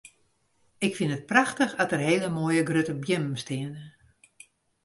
Ik fyn it prachtich at der hele moaie grutte beammen steane.